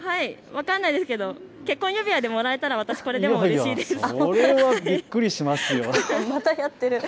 分からないですけど結婚指輪でもらえたらうれしいですね。